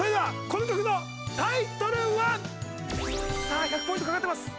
さあ１００ポイントかかってます。